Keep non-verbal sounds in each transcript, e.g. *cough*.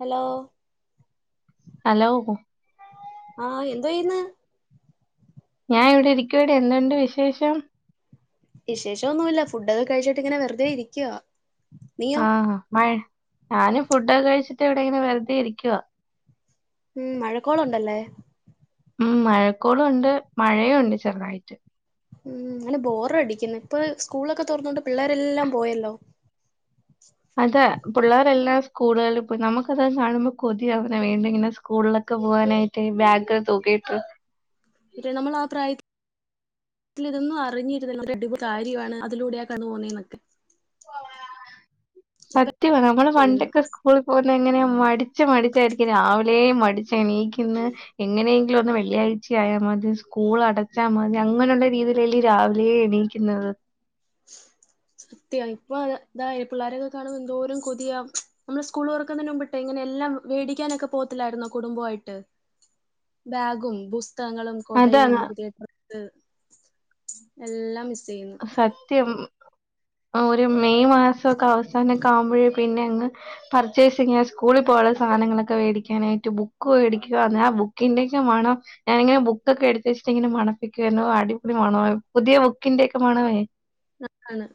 Hello hello ആഹ് എന്തു ചെയ്യുന്ന് ഞാൻ ഇവിടെ ഇരിക്കുവടെ എന്തുണ്ട് വിശേഷം വിശേഷം ഒന്നുമില്ല ഫുഡൊക്കെ കഴിച്ചിട്ട് ഇങ്ങനെ വെറുതെ ഇരിക്കുവാ നീയോ ആഹ് മഴ ഞാനും ഫുഡൊക്കെ കഴിച്ചിട്ട് ഇവിടെ ഇങ്ങനെ വെറുതെ ഇരിക്കുവാ ഉം മഴക്കോളുണ്ടല്ലേ ഉം മഴക്കോള് ഉണ്ട് മഴയും ഉണ്ട് ചെറുതായിട്ട് ഉം എന്നാലും ബോറ് അടിക്കുന്ന് ഇപ്പം സ്കൂളൊക്കെ തൊറന്നോണ്ട് പിള്ളേരെല്ലാം പോയല്ലോ *inaudible* അതെ പിള്ളേരെല്ലാം സ്കൂളുകളിൽ പോയി നമുക്കത് കാണുമ്പം കൊതിയാവണ് വീണ്ടും ഇങ്ങനെ സ്കൂളിലൊക്കെ ക്കെ പോവാനായിട്ട് ബാഗ് ഒക്കെ തൂക്കീട്ട് വീട്ടില് ഇതൊന്നും അറിഞ്ഞിരുന്ന *unintelligible* കാര്യമാണ് അതിലൂടെയാണ് കടന്നു പോകുന്നെ എന്നൊക്കെ ഇപ്പ സത്യമാണ് നമ്മള് ചെയ്യുന്നു പണ്ടൊക്കെ സ്കൂളി പോ ഇങ്ങനെ മടിച്ച് മടിച്ചായിരിക്കും രാവിലെ മടിച്ച് എണീക്കുന്നെ എങ്ങനെയെങ്കിലും ഒന്ന് വെള്ളിയാഴ്ച ച്ച ആയാ മതി സ്കൂൾ അടച്ചാൽ മതി അങ്ങനെയുള്ള രീതിയിലല്ലേ രാവിലേ എണീക്കുന്നത് *inaudible* സത്യവാ ഇപ്പൊ ഇതായെ പിള്ളാരെയൊക്കെ കാണുമ്പം എന്തോരം കൊതിയാ നമ്മള് സ്കൂള് തുറക്കുന്നേന് മുമ്പട്ടേ ഇങ്ങനെ എ എല്ലാം മേടിക്കാനൊക്കെ പോത്തില്ലായിരുന്നോ കുടുംബമായിട്ട് ബാഗും ബുസ് പുസ്തകങ്ങളും കൊടയും അതാണ് പുതിയ ഡ്രസ്സ്‌ എല്ലാം മിസ്സ് സത്യം ആഹ് ഒരു മെയ് മാസമൊക്കെ അവസാനൊക്കെ ആവുമ്പൊഴേ പിന്നെ അങ്ങ് പർച്ചേസിംഗാ സ്കൂളിൽ പോവാനുള്ള സാ സാധങ്ങളൊക്കെമേടിക്കാനായിട്ട് ബുക്ക് മേടിക്കുക ആഹ് ബുക്കിന്റെയൊക്കെ വേണം ഞാനിങ്ങനെ ബുക്കൊക്കെ എടുത്ത് വെച്ച് എന്നിട്ടിങ്ങനെ മണപ്പിക്കുവാരുന്ന് ഓ അടിപൊളി മണവാ പുതിയ ബുക്കിന്റെയൊക്കെ മണവേ ആഹ് ആണ്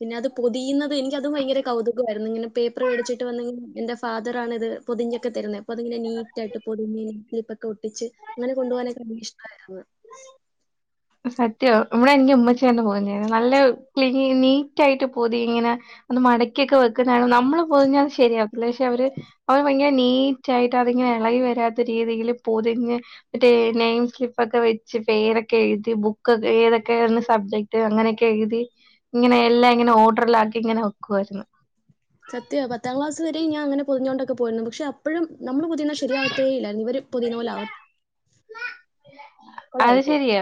പിന്നെ അത് പൊതിയുന്നത് എനിക്ക് അതും ഭയങ്കര കൗതുകമായിരുന്നു ഇങ്ങനെ പേപ്പർ മേടിച്ചിട്ട് വന്ന് എന്റെ ഫാദറാണിത് പൊതിഞ്ഞൊക്കെ തരുന്നെ അപ്പം അതിങ്ങനെ നീറ്റായിട്ട് പൊതിഞ്ഞിങ്ങനെ സ്ലിപ്പ് ഒക്കെ ഒട്ടിച്ച് അങ്ങനെ കൊണ്ട് പോകാനൊക്കെ ഇഷ്ടം ആയിരുന്നു ഉം സത്യം ഇവിടെ എനിക്ക് ഉമ്മച്ചിയാരുന്ന് പൊതിഞ്ഞ് തരുന്നെ നല്ലെ നീറ്റ് ആയിട്ട് പൊതി ഇങ്ങനെ അത് മടക്കിയൊക്കെ വെക്കുന്നെ കാണാം നമ്മള് പൊതിഞ്ഞാ അത് ശരിയാകത്തില്ല പക്ഷെ അവര് അവര് ഭയങ്കര നീറ്റ് ആയിട്ട് അതിങ്ങനെ ഇളകി വരാത്ത രീതിയിൽ പൊതിഞ്ഞ് മറ്റേ നെയിം സ്ലിപ്പൊക്കെ വെച്ച് പേരൊക്കെ എഴുതി ബുക്കൊക്കെ ഏതൊക്കെയാന്ന് സബ്ജെക്ട് അങ്ങനെയൊക്കെ എഴുതി ഇങ്ങനെ എല്ലാം ഇങ്ങനെ ഓർഡറിലാക്കി ഇങ്ങനെ വെക്കുവാരുന്ന് സത്യവാ പത്താം ക്ലാസ് വരെയും ഞാൻ അങ്ങനെ പൊതിഞ്ഞോണ്ടൊക്കെ പോയിരുന്നു പക്ഷെ അപ്പഴും നമ്മള് പൊതിയണെ ശരിയാവത്തേ ഇല്ലാരുന്ന് ഇവര് പൊതിയണ പോലെ ആവ അത് ശെരിയാ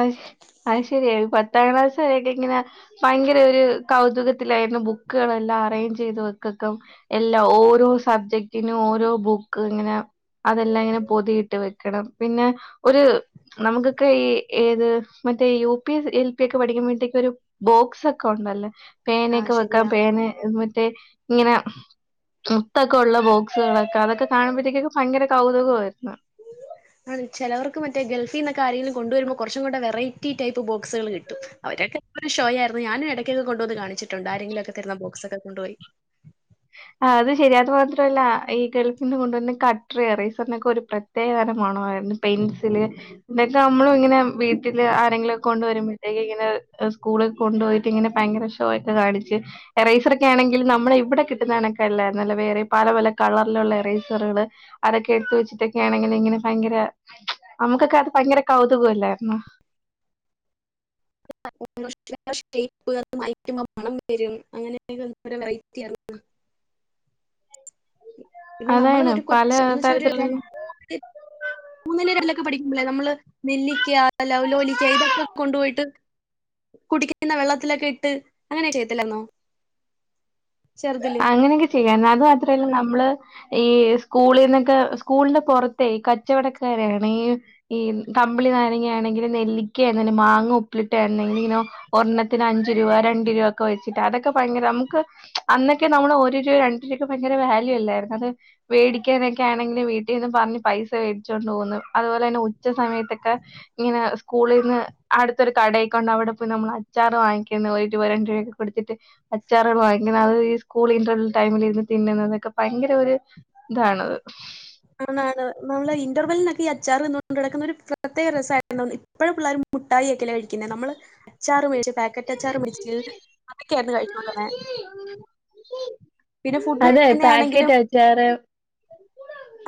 അയ്ഷ് അയ് ശെരിയാ ഒര് പത്താം ക്ലാസ് വരെയൊക്കെ ഇങ്ങനെ ഭയങ്കര ഒരു കൗതുകത്തിലായി ന്നു ബുക്കുകളെല്ലാം അറേഞ്ച് ചെയ്ത് വെക്കക്കും എല്ലാ ഓരോ സബ്ജക്റ്റിനും ഓരോ ബുക്ക് അങ്ങനെ അതെല്ലാം ഇങ്ങനെ പൊതിയിട്ട് വെക്കണം പിന്നെ ഒരു നമുക്കൊക്കെ ഈ ഏത് മറ്റേ യു പി എൽ പി ഒക്കെ പഠിക്കുമ്പോഴത്തേക്ക്‌ ഒരു ബോക്സൊക്കെ ഉണ്ടല്ലോ ആ പേനയൊക്കെ വെയ്ക്കാം ശരിയാ പേനെ മറ്റേ ഇങ്ങനെ മുത്തൊക്കെ ഉള്ള ബോക്സുകളൊക്കെ അതൊക്കെ കാണുമ്പോഴത്തേക്കെക്കെ ഭയങ്കര കൗതുകമായിരുന്നു ആഹ് ചിലവർക്ക് മറ്റേ ഗൾഫീന്നൊക്കെ ആരെങ്കിലും കൊണ്ടുവരുമ്പോ കുറച്ചും കൂടെ വെറൈറ്റി ടൈപ്പ് ബോക്സുകൾ കിട്ടും അവര് ഒക്കെ എപ്പഴും ഷോ ആയിരുന്നു ഞാനെ ഇടക്കൊക്കെ കൊണ്ട് വന്ന് കാണിച്ചിട്ടുണ്ട് ആരെങ്കിലും ഒക്കെ തരുന്ന ബോക്സൊക്കെ കൊണ്ടുപോയി ആഹ് അത് ശരി അത് മാത്രല്ല ഈ ഗൾഫിന്ന് കൊണ്ട് വരുന്ന കട്ട്ര് റയ്സിനൊക്കെ ഒരു പ്രത്യേക തരം മണം പെൻസില് ഇതൊക്കെ അമ്മളും ഇങ്ങനെ വീട്ടില് ആരെങ്കിലൊകൊണ്ട് വരുമ്പത്തേക്ക് ഇങ്ങനെ സ്കൂളി കൊണ്ട് പോയിട്ട് ഇങ്ങനെ ഭയങ്കര ഷോയൊക്കെ കാണിച്ച്. എറൈസറൊക്കെയാണെങ്കിൽ നമ്മളെ ഇവ്ടെ കി *unintelligible* ക്കല്ല നല്ല വേറെ പല പല കളറ്ലുള്ള റയ്സറേള് അതൊക്കെ എടുത്ത് വെച്ചിട്ടൊക്കെയാണെങ്കി ഇങ്ങനെ ഭയങ്കര നമ്മ്ക്കൊക്കെ അത് ഭയങ്കര കൗതുകല്ലെന്ന *unintelligible* മണം വരും അങ്ങനെയൊക്കൊരു വെറൈറ്റി ആണ് പിന്നെ നമ്മള് അതാണ് ഒരു പല കൊച്ച് ന്ന് വെച്ച ഒര് തരത്തിലുള്ള രണ്ട് *unintelligible* മൂന്നില് *unintelligible* ലൊക്കെ പഠിക്കുമ്പള് നമ്മള് നെല്ലിക്ക അല്ല ലൗലോലിക്ക ഇതൊക്കെ കൊണ്ടുപോയിട്ട് കുടിക്ക്ന്ന വെള്ളത്തിലൊക്കെ ഇട്ട് അങ്ങനെയൊ *unintelligible* ത്തില്ലായിരുന്നോ അങ്ങനെയൊക്കെ ചെയ്യാ അത് മാത്രല്ല നമ്മള് ഈ സ്കൂളീന്നൊക്കെ സ്കൂളിന്റെ പൊറത്തെ കച്ചവടക്കാരാണെ ഈ ക കമ്പിളി നാരങ്ങ ആണെങ്കിലും നെല്ലിക്കയാണെലും മാങ്ങ ഉപ്പിലിട്ടയാണെലും ഒരെണ്ണ് തിന് അഞ്ച് രൂപ ഒക്കെ വെച്ച്ട്ട് അതൊക്കെപയങ്കര അമക് അന്ന് നമ്മള് ഒരുരൂ രണ്ട് രൂഒക്കെ ഭയങ്കര വാല്യു അല്ലായിരുന്നൊ വേടിക്കാനൊക്കെ ആണെങ്കി വീട്ടി നിന്ന് പറഞ് പൈസ പോലെന്നെ ഉച്ച സമയതൊക്കെ ഇങ്ങനെ സ്കൂളിരുന്ന് അടുത്തൊരു കട അവ്ടെ പോയി നമ്മൾ അച്ചാറ് വാങ്ങിക്ന്ന പോയിറ്റ് രണ്ട് രൂപക്കെ കൊടുത്തിട്ട്. അച്ചാറേള് വാങ്ങിക്ന്ന അത് ഈ സ്കൂള് ഇന്റർവൽ ടൈമിലിരുന്ന് തിന്നുന്നതൊക്കെ പയങ്കര ഒര് ഇതാണത് ആണ് നമ്മള് ഇന്റർവെലിനൊക്കെ ഈ അച്ചാറ്തിന്നോണ്ട് ടക്കുന്നൊരു ഒരു പ്രത്യേക രസായിരുന്നു ഇപ്പഴും പിള്ളേര് മുട്ടായിക്കല്ലെ കഴിക്കുന്നെ നമ്മള് അച്ചാറ് എ പാക്കറ്റ് അച്ചാറ് മിച്ച് അതൊക്കായിരുന്നു കഴിച്ചോണ്ടുരുന്നെ പിന്നെ ഫുഡ് അതെ കഴിക്ക്ന്നാണെങ്കിലും പാക്കറ്റ് അച്ചാറ്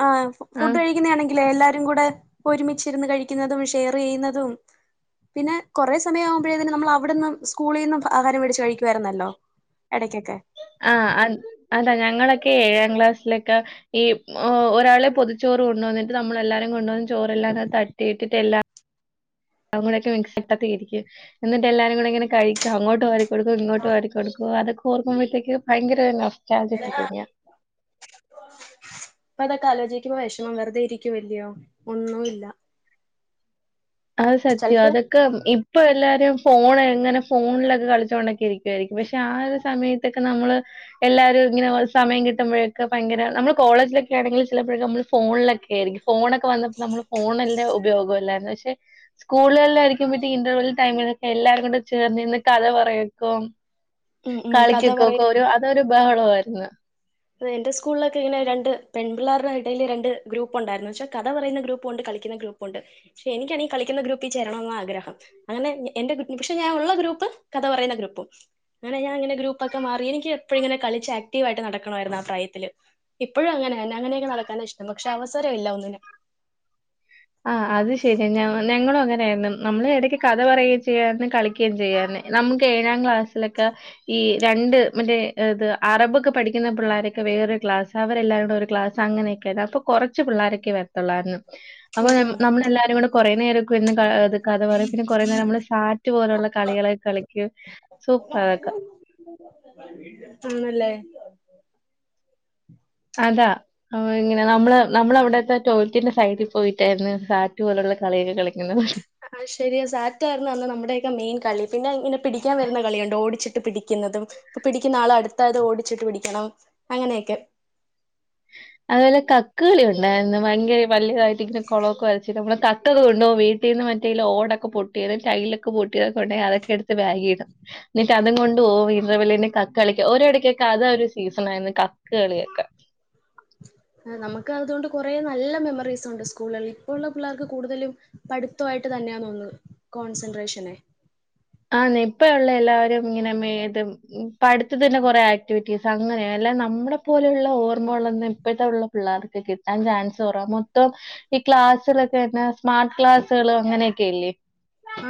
ആഹ് ഫുഡ് ആഹ് കഴിക്ക്ന്നാണെങ്കി ലെ എല്ലാരും കൂടെ ഒരുമിച്ചിരുന്ന് കഴിക്ക്ന്നതും. ഷെയറീയ്യുന്നതും പിന്നെ കൊറേ സമയ ആവുമ്പഴതിന് നമ്മളവ്ട്ന്ന് സ്കൂളീന്നും ആഹാരം വേടിച്ച് കഴിക്കുവായിരുന്നല്ലൊ എടയ്കൊക്കെ ആഹ് അ അൻ അന്താ ഞങ്ങളൊക്കെ ഏഴാം ക്ലാസ്സിലൊക്കെ ഈ ഒരാള് പൊതിച്ചു പൊതിചോറ് കൊണ്ടുവന്നിട്ട് നമ്മളെല്ലാരും കൊണ്ടുവന്ന് ചോറെല്ലാം തട്ടിയിട്ടിട്ട് എല്ലാം അവ് കൂടെക്കെ മിക്സ് ഇട്ടത്തിരിക്കും എന്നിട്ട് എല്ലാരും കൂടെങ്ങനെ കഴിക്ക അങ്ങോട്ട് വാരി കൊടുക്കും ഇങ്ങോട്ട് വാരികൊടുക്കും അതൊക്കെ ഓർക്കുമ്പോഴത്തേക്ക് ഭയങ്കര ചാർജ് *unintelligible* ഇപ്പ അതൊക്കെ ആലോചിക്കുമ്പൊ വെഷമം വെറുതെ ഇരിക്കുവല്ല്യയൊ ഒന്നുമില്ല അത് സത്യാ ചെലപ്പോ അതൊക്കെ ഇ ഇപ്പൊ എല്ലാരും ഫോണ് എങ്ങനെ ഫോണിലൊക്കെ കളിച്ചോണ്ടൊക്കെരിക്കുവായിരിക്കും പഷെ ആ ഒര് സമയത്തൊക്കെ നമ്മള് എല്ലാരും ഇങ്ങനെ സമയം കിട്ടുമ്പഴൊക്കെ ഭയങ്കര നമ്മള് കോളജിലൊക്കെ ആണെങ്കിൽ ചിലപ്പൊഴക്കെ നമ്മള് ഫോണിലൊക്കെ ആയിരിക്കും ഫോണൊക്കെ വന്നപ്പൊ നമ്മള് ഫോണല്ലെ ഉപയോഗല്ലാരുന്നൊ പഷെ സ്കൂളുകളആയിരിക്കും പറ്റി ഇന്റർവെൽ ടൈമിലൊക്കെ എല്ലാരും കൂടെ ചേർന്ന് ഇന്ന് കഥ പറയക്കും ഉം ഉം കഥ പറയും കളിക്ക്ക്കൊക്കൊരു അതൊരു ബഹളായിരുന്നു എന്റെ സ്കൂൾലൊക്കെ ഇങ്ങനെ രണ്ട് പെൺ പിള്ളാര്ടെ എടയില് രണ്ട് ഗ്രൂപ്പ്ണ്ടായിരുന്നു കഥ പറയുന്ന ഗ്രൂപ്പുണ്ട് ക കളിക്കുന്ന ഗ്രൂപ്പുണ്ട് ഷെ എനിക്കാണെങ്കി ഈ കളിക്ക്ണ ഗ്രൂപ്പി ചേരണൊന്നാ ആഗ്രഹം. അങ്ങനെ എന്റെ ഷെ ഞാൻ ഉള്ള ഗ്രൂപ്പ് കഥ പറയ്ന്ന ഗ്രൂപ്പും. അങ്ങനെ ഞാൻ ഗ്രൂപ്പൊക്കെ മാറി എനിക്ക് എപ്പഴും ഇങ്ങനെ കളിച്ച് ആക്ടീവായിട്ട് നടക്ക ണായിരുന്നു ആ പ്രായത്തില്. ഇപ്പഴും അങ്ങനെന്നെ അങ്ങനെ നടക്കാനാ ഇഷ്ടം പക്ഷെ അവസരമില്ല ഒന്നിനും ആഹ് അത് ശെരി ഞ ഞങ്ങളും അങ്ങൻ *unintelligible* നമ്മള് എടക്ക് കഥ പറയുകയും ചെയ്യാര്ന്ന് കളിക്കേം ചെയ്യാര്ന്ന് നമക്ക് ഏഴാം ക്ലാസ്സിലൊക്കെ ഈ ഈ രണ്ട് മറ്റേ ഏത് അറബ് ഒക്കെ പഠിക്ക്ന്ന പിള്ളാരൊക്കെ വേറെ ക്ലാസ് അവരെല്ലാരുടെ ഒര് ക്ലാസ് അങ്ങനെയൊക്കെയാര്ന്ന് അപ്പൊ കൊറച്ച് പിള്ളാരൊക്കെ വരത്തോള്ളാര്ന്ന് അപ്പ ഉം നമ്മ ഉം നമ്മളെല്ലാരും കൂടെ കൊറേ നേരം ഒക്കെരിന്ന് കഥ പറിം പിന്നെ കൊറേ നേരം നമ്മള് സാറ്റ് പോല്ള്ള കളി ഇന്നല്ലേ അതാ ഇങ്ങനെ നമ്മള് നമ്മളവ്ടത്തെ ടോയ്ൽറ്റിന്റെ സൈഡി പോയിട്ടായിരുന്നു സാറ്റ് പോല് കളിയൊക്കെ കളിക്ക്ന്നെ ആഹ് ശെരിയാ സാറ്റാര്ന്ന് അന്ന് നമ്മുടെക്കെ മെയിൻ കളി പിന്നെ ഇങ്ങനെ പിടിക്കാൻ വരുന്ന കളിയുണ്ട് ഓടിച്ചിട്ട് പിടിക്ക ന്നതും ഇപ്പൊ പിടിക്കുന്ന ആള് അടുത്തായത് ഓടിച്ചിട്ട് പിടിക്കണം അങ്ങനെയൊക്കെ അതു പോലെ കക്ക്കളി ഉണ്ടായിര്ന്ന്‌ ഭയങ്കര വല്യതായിട്ട് ഇങ്ങനെ കൊളോക്കെ വരച്ച് നമ്മുടെ *unintelligible* കൊണ്ടോവും വീട്ടീന്ന് മറ്റേ ഓടൊക്കെ പൊട്ടിയതും ടൈലൊക്കെ പൊട്ടിയതും കൊണ്ടേയ് അതൊക്കെടുത്ത് ബാഗീടും എന്നിട്ടതും കൊണ്ട്‌ പോവും ഇന്റർ ബെല്ലിന് കക്ക് കളിക്കും ഓരിടക്കൊക്കെ അത് ഒരു സീസണായിരുന്നു കക്ക് കളിയൊക്കെ നമക്ക് അതോണ്ട് കുറെ നല്ല മെമ്മറീസ് ഉണ്ട് സ്കൂളുകളിൽ ഇപ്പോ ഉള്ള പിള്ളേർക്ക് കൂടുതലും പഠിത്തുവായിട്ട് തന്നെയാണോന്ന് കോൺസെൻട്രേഷന് ആന്നേ ഇപ്പ ഉള്ള എല്ലാവരും ഇങ്ങനെ ഇത് പടിത്തതിന്റെ കൊറെ ആക്ടിവിറ്റീസ് അങ്ങനെയാ ല്ലാതെ നമ്മള പോലെയുള്ള ഓർമ്മകളൊന്നും ഇപ്പോഴത്തെ ഉള്ള പിള്ളേർക്ക് കിട്ടാൻ ചാൻസ് കുറവാ മൊത്തോം ഈ ക്ലാസിറെക്കെ അന്നെ സ്മാർട്ട് ക്ലാസുകൾ അങ്ങനെയൊക്കെല്ലേ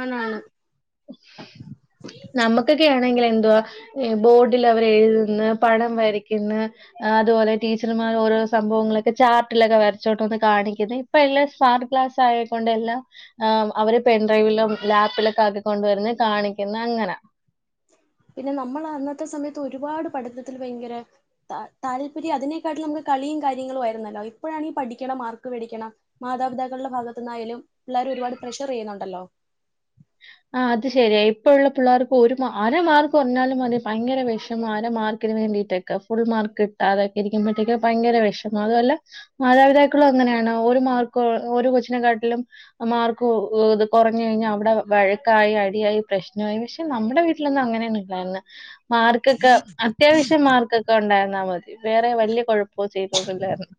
ആണാണ് നമുക്കൊക്കെയാണെ ങ്കിൽ എന്തുവാ ബോർഡിൽ അവരെഴുതുന്ന്‌ പടം വരയ്ക്കുന്ന് അതുപോലെ ടീച്ചർമാ ഓരോ സംഭവങ്ങളൊക്കെ ചാർട്ടിലൊക്കെ വരച്ചോട്ടൊന്ന് കാണിക്കുന്നു ഇപ്പൊ എല്ലാം സ്മാർട്ട്ക്ലാസ്സ്‌ ആയക്കൊണ്ട് എല്ലാം ആ അവര് പെൻ ഡ്രൈവിലും ലാപ്പിലൊക്കെ ആക്കിക്കൊണ്ടുവരുന്ന് കാണിക്കുന്ന അങ്ങനാ പിന്നെ നമ്മൾ അന്നത്തെ സമയത്ത് ഒരുപാട് പഠനത്തിൽ ഭയങ്കര താല്പര്യം അതിനെക്കാട്ടിലും നമുക്ക് കളീം കാര്യങ്ങളും ആരുന്നല്ലോ ഇപ്പോഴാണ് പഠിക്കണം മാർക്ക് മേടിക്കണം മാതാപിതാക്കളുടെ ഭാഗത്ത് ന്നായാലും പിള്ളേരൊരുപാ ട് പ്രഷർ ചെയ്യുന്നുണ്ടല്ലോ ആ അത് ശെരിയ ഇപ്പഴുള്ള പിള്ളേർക്ക് ഒരു അര മാർക്ക് കൊറഞ്ഞാലും മതി ഭയങ്കര വിഷമാ അര മാർക്ക് വേണ്ടീട്ടക്ക ഫുൾ മാർക്ക് കിട്ടാതെക്കേ ഇരിക്ക്പോഴ്ത്തേക്ക ഭയങ്കര വിഷമ അതുവല്ല മാതാപിതാക്കളും അങ്ങ അങ്ങനന്ന ഒരു മാർക്ക് ഒരു കൊച്ചിനെ കാട്ടിലും മാർക്ക്ത് കുറഞ്ഞ കഴിഞ്ഞാൽ അവിടെ വഴക്കായി അടിയായി പ്രശ്നായി പക്ഷെ നമ്മുടെ വീട്ടിലൊന്നും അങ്ങനെയൊന്നു ഇല്ലായിന്ന് മാർക്കൊക്കെ അത്യാവശ്യം മാർക്കൊക്കെ ഉണ്ടായിരുന്നാൽ മതി വേറെ വേറെ വലിയ കുഴപ്പോ ചീതൊന്നില്ലായിരുന്നു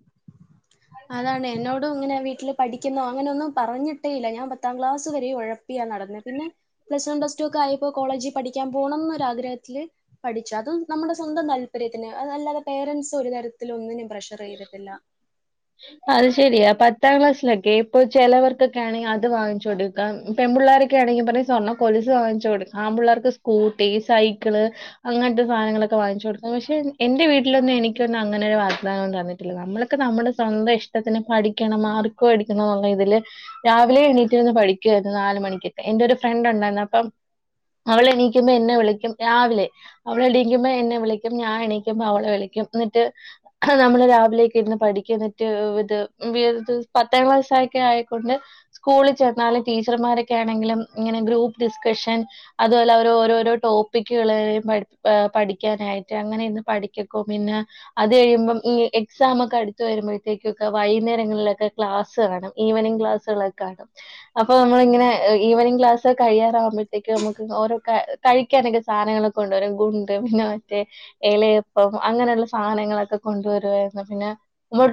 അതാണ് എന്നോടും ഇങ്ങനെ വീ ട്ടില് പഠിക്ക്ന്നോ അങ്ങനൊന്നും പറഞ്ഞിട്ടേ ഇല്ല ഞാൻ പത്താം ക്ലാസ് വരെ ഉഴപ്പിയാ നടന്നേ പിന്നെ പ്ലസ് വൺ പ്ലസ്‌ ടു ഒക്കെ ആയപ്പോ കോളേജിൽ പഠിക്കാൻ പോണംന്ന്‌ ഒരാഗ്രഹത്തിത്തില് പഠിച്ചു അതും നമ്മുടെ സ്വന്തം താല്പര്യത്തിന് അ അല്ലാതെ പാരൻറ്സ് ഒരു തരത്തിൽ ഒന്നിനും പ്രഷർ ചെയ്തിട്ടില്ല അത് ശരിയാ പത്താം ക്ലാസ്സിലൊക്കെ ഇപ്പൊ ചിലവർക്കൊക്കെ ആണെങ്കിൽ അത് വാങ്ങിച്ചു കൊടുക്കാം പെൺപുള്ള ർക്കൊക്കെണെങ്കിൽ പറയും സ്വർണ്ണകൊലുസ്സ് വാങ്ങിച്ചോടുക്ക ആമ്പുള്ളാർക്ക് സ്കൂട്ടി സൈക്കിൾ അങ്ങനത്തെ സാധനങ്ങ ങ്ങളൊക്കെ വാങ്ങിച്ചാെട്ക്കും പക്ഷെ എന്റെ വീട്ടിലാെന്നും എനിക്കൊന്നും അങ്ങനൊര് വാഗ്ദാനോം തന്നിട്ടില്ല നമ്മളൊക്കെ നമ്മ്ടെ സ്വന്തം ഇഷ്ടത്തിന് പഠിക്കണം മാർക്ക് വേടിക്കണൊന്ന്ള്ള ഇതില് രാവിലേ എണീറ്റിര്ന്ന് പഠിക്കുവായ്ര്ന്ന് നാല് മണിക്കക്ക എന്റെ ഒരു ഫ്രണ്ട്ണ്ടായിന്ന് അപ്പം അവളെ എണീക്കുമ്പോ എന്നെ വിളിക്കും രാവിലെ അവളെണീക്കുമ്പോ എന്നെ വിളിക്കും ഞാൻ എണീക്കുമ്പോ അവളെ വിളിക്കും എന്നിട്ട് നമ്മള് രാവിലക്ക് ഇരുന്ന് പഠിക്കും എന്നിട്ട് ഇത്‌ പത്താം ക്ലാസ്സക്കെ ആയിക്കൊണ്ട് സ്കൂളിൽ ചെന്നാലും ടീച്ചർമാരൊക്കെ ആണെങ്കിലും ഗ്രൂപ്പ് ഡിസ്കഷൻ അതുപോലെ ഓരോരോ ടോപ്പിക്കുകള് പഠിക്കാനായിട്ട് അങ്ങനെ ഇന്ന് പഠിക്കക്കോ പിന്നെ അത് കഴിയുമ്പം ഈ എക്സാം ഒക്കെ അടുത്ത് വരുമ്പോ തേക്ക്ക്കെ വൈകുന്നേരങ്ങളിലൊക്കെ ക്ലാസ്സ് കാണും ഈവനിങ് ക്ലാസ്സുകളൊക്കെ കാണും അപ്പൊ നമ്മളിങ്ങനെ ഈവനിങ് ക്ലാസ് കഴിയാറാവുമ്പോഴത്തേക്കും നമുക്ക് ഓരോ കഴിക്കാനൊക്കെ സാധനങ്ങളൊക്കെ കൊണ്ടുവരും ഗുണ്ട് പിന്നെ മറ്റേ ഇലയപ്പം അങ്ങനെയുള്ള സാധനങ്ങളൊക്കെ കൊണ്ടുവരുവായിരുന്നു പിന്നെ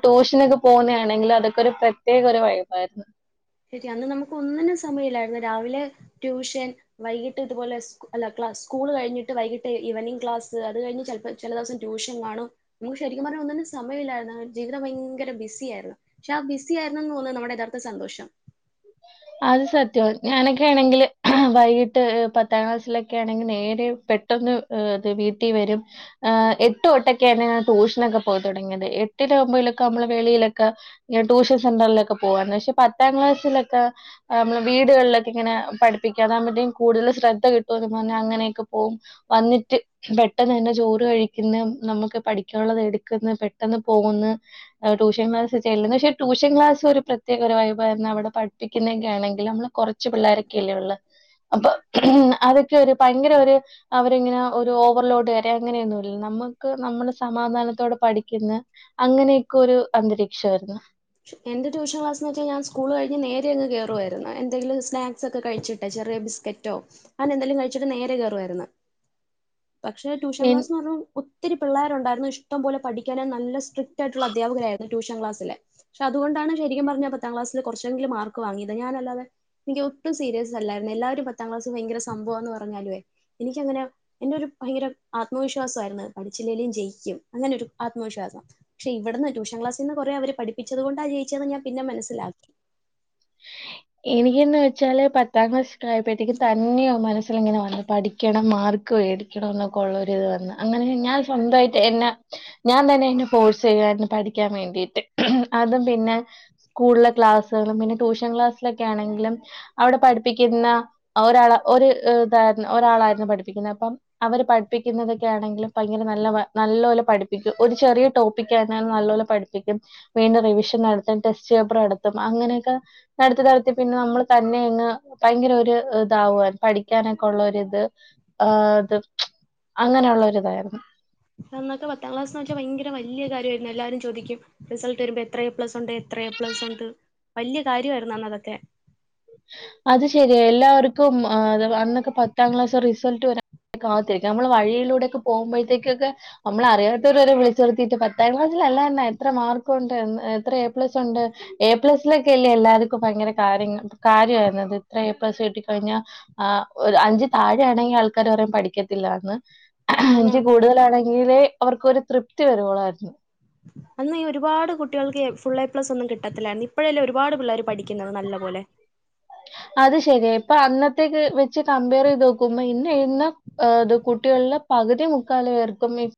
ട്യൂഷനൊക്കെ പോവുന്ന ആണെങ്കിൽ അതൊക്കെ ഒരു പ്രത്യേക ഒരു വൈബായിരുന്നു ശരി അന്ന് നമുക്ക് ഒന്നിനും സമയില്ലായിരുന്നു രാവിലെ ട്യൂഷൻ വൈകിട്ട് ഇതുപോലെ അല്ല ക്ലാ സ്കൂൾ കഴിഞ്ഞിട്ട് വൈകിട്ട് ഈവനിങ് ക്ലാസ്സ്‌ അത് കഴിഞ്ഞു ചില ദിവസം ട്യൂഷൻ കാണും നമുക്ക് ശരിക്കും പറഞ്ഞ ഒന്നിനും സമയുല്ലായിരുന്ന ജീവിതം ഭയങ്കര ബിസി ആയിയിരുന്നു പക്ഷെ ആ ബിസി ആയിരുന്നു തോന്നുന്നു നമ്മുടെ യതാർത്ഥ സന്തോഷം അത് സത്യം ഞാനൊക്കെ ആണെങ്കില് വൈകീട്ട് പത്താം ക്ലാസ്സിലൊക്കെ ആണെങ്കിൽ നേരെ പെട്ടന്ന് അത് വീട്ടിൽ വരും എട്ട്ൊട്ടൊക്കൊണ് ട്യൂഷനൊക്കെ പോയി തുടങ്ങിയത് എട്ടിലും ഒമ്പയിലും ഒക്കെ നമ്മള് വെളിയിലൊക്കെ ട്യൂഷൻ സെന്റിലൊക്കെ പോകയാന്നു പക്ഷെ പത്താം ക്ലാ ലെക്കെ ആഹ് അമ്മള് വീട്കൾലൊക്കിങ്ങെനാ പഠിപ്പിക്കാ അതാക്മ്പത്തേൻ കൂട്തൽ ശ്രദ്ധ കിട്ടൂന്ന് പർഞ്ഞ് അങ്ങനെ വന്നിട്ട് പെട്ടെന്ന് തന്നെ ചോറ് കഴിക്കുന്ന നമുക്ക് പഠിക്കാനുള്ളത് എടുക്കുന്ന പെട്ടെന്ന് പോകുന്ന് ട്യൂഷൻ ക്ലാസ്സിൽ ചെല്ലുന്ന പക്ഷേ ട്യൂഷൻ ക്ലാസ്സ് ഒരു പ്രത്യേക ഒരു വൈബായിരുന്നു അവിടെ പഠിപ്പിക്കുന്നതൊക്കെ ആണെങ്കിൽ നമ്മള് കുറച്ച് പിള്ളോരൊക്കെല്ലേ ഉള്ളൂ അപ്പൊ ഉ അതൊക്കെ ഒരു ഭയങ്കര ഒരു അവരിങ്ങനെ ഒരു ഓവർലോഡ്കാര് അങ്ങനെയൊന്നുംല്ല നമ്മുക്ക് നമ്മള് സമാധാനത്തോടെ പഠിക്കുന്ന അങ്ങനെയൊക്കെ ഒരു അന്തരീക്ഷായിരുന്നു എന്റെ ട്യൂഷൻ ക്ലാസ്ന്ന് വച്ചാൽ സ്കൂള് കഴിഞ് നേരെ അങ്ങ് കേറുായിരുന്നു എന്തെങ്കും സ്നാക്സ് ഒക്ക കഴിച്ചിട്ടച്ചേ ചെറിയ ബിസ്ക്കറ്റോ അങ്ങനെ എന്തെലും കഴിച്ച്ട്ട് നേരെ കേറുവായ്ര്ന്ന് പക്ഷേ ട്യൂഷൻ ക്ലാസ്സ്ന്ന് പറഞ്ഞു ഒത്തിരി പിള്ളേരുണ്ടായിരുന്നു ഇഷ്ടം പോലെ പഠിക്കാന നല്ല സ്ട്രിക്റ്റ് ആയിട്ടുള്ള അധ്യാപകരായി യിരുന്നു ട്യൂഷൻ ക്ലാസ്സി ല് പക്ഷെ അതുകൊണ്ടാണ് ശരിക്കും പറഞ്ഞ പത്താം ക്ലാസിൽ കുറച്ചെങ്കിലും മാർക്ക് വാങ്ങിയത്ഞാനല്ലാതെ എനിക്ക് ഒട്ടും സീരിയസ് അല്ലായിരുന്നു എല്ലാവരും പത്താം ക്ലാസ് ഭയങ്കര സംഭവാന്ന് പറഞ്ഞാലുവേ എനിക്കങ്ങനെ എന്റൊരു ഭയങ്കര ആത്മവിശ്വാസായ്ര് ന്ന് പഠിച്ചില്ലേലും ജെയിക്കും അങ്ങനെരു ആത്മവിശ്വാസാ പക്ഷെ ഇവട്ന്ന് ട്യൂഷൻ ക്ലാസീന്ന് കൊറേ അവര് പഠി പഠിപ്പിച്ചത് കൊണ്ടാ ജയിച്ചെന്ന് ഞാൻ പിന്നെ മനസ്സിലാക്കി എനിക്കിന്ന് വെച്ചാല് പത്താം ക്ലാസ്ക്കെ ആയപ്പോഴത്തേക്കും തന്നെയോ മനസ്സിൽ ഇങ്ങനെ വന്ന് പഠിക്കണം മാർക്ക് പേടിക്കണം ന്നൊക്കെ ഒള്ളാെര്ത് വന്ന് അങ്ങനെ ഞാൻ സ്വന്തായ്ട്ട് എന്നെ ഞാൻ തന്നെ എന്നെ ഫോഴ്സെയ്യുവാര് പഠിക്കാൻ വേണ്ടിട്ട് അതും പിന്നെ സ്കൂളിലെ ക്ലാസ്സ്കള് പിന്നെ ട്യൂഷൻ ക്ലാസിലൊക്കെ ആണെങ്കിലും അവ്ടെ പഠ്പ്പിക്ക്ന്ന ഒരാൾ ഒര് തായ്ര്ന്ന് ഒരാ പഠിപ്പിക്കുന്നത് അപ്പം അവര് പഠിപ്പിക്കുന്നതൊക്കെ ആണെങ്കിലും ഭയങ്കര നല്ല നല്ല പോലെ പഠിപ്പ ഒരു ചെറിയ ര് ടോപ്പിക്കെന്നെ നല്ല പോലെ പഠിപ്പിക്കും വീണ്ടും റിവിഷൻ നടത്തും ടെസ്റ്റ് പേപ്പറ് നടത്തും അങ്ങനൊക്കാ നടത്തി നടത്തി പിന്നെ നമ്മൾ തന്നെ അങ്ങ് ഭയങ്കര ഒരു ഇതാവുവാൻ പഠിക്കാനൊക്കെള്ള ഒര് ഇത് ആഹ് ത് അങ്ങനെ ഒള്ളൊര്തായ്ര്ന്ന് അന്നൊക്കെ പത്താം ക്ലാസ് എന്ന് വെച്ചാൽ വെച്ചാ ഭയങ്കര വലിയ കാര്യമായിരുന്നു എല്ലാരും ചോദിക്കും റിൾട്ട് വരുമ്പോ എത്ര എ പ്ലസ്ണ്ട് എത്ര എ പ്ലസ്ണ്ട് വലിയ കാര്യമായിരുന്നു അന്നതൊക്കെ അത് ശരി എല്ലാവർക്കും അന്നൊക്കെ പത്താം ക്ലാസ് റിസൾട്ട് വരാ കാത്തിരിക്കും നമ്മൾ വഴിയിലൂടെയൊക്ക പോക്പോഴത്തേക്കെ നമ്മളെ അറിയാത്തവര് വിളിച്ചിർത്തിട്ട് പത്താം ക്ലാസ് ല്ലാ എത്ര മാർക്കും ഉണ്ട് എത്ര എ പ്ലസ് ഉണ്ട് എ പ്ലസിലൊക്കെ ഇല്ലേ എല്ലാവർക്കും ഭയങ്കര കാര്യങ്ങ കാര്യമായിരുന്നുത് ഇത്ര പപ്പേഴ കിട്ടിക്കഴിഞ്ഞ ആ് ഒരു അഞ്ചച് താഴൊണെങ്കിൽ ആൾക്കാരർ അയും പഠിക്കത്തില്ല അതാണ് എനിക്ക് കൂടുതലാണെങ്കിലേ അവർക്ക് ഒരു തൃപ്തി വരുവോളായിരുന്നു അന്ന് ഒരുപാട് കുട്ടികൾക്ക് ഫുൾ എ പ്ലസ് ഒന്നും കിട്ടത്തില്ലായിരുന്നു ഇപ്പോഴല്ലേ ഒരുപാട് പിള്ളേർ പഠിക്കുന്നത് നല്ല പോോലെ അത് ശരിയ ഇപ്പൊ അന്നത്തേക്ക് വെച്ച് കമ്പയർ ചെയ്ത് നോക്കുമ്പോ ഇന്ന് എനേ കുട്ടികളെ പകുതി മുക്കാലു പേർക്കും